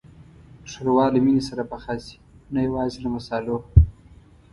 ښوروا له مینې سره پخه شي، نه یوازې له مصالحو.